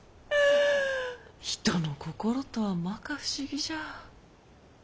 人の心とはまか不思議じゃ。